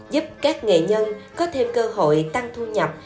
giúp các nghệ nhân có thêm cơ hội tăng thu nhập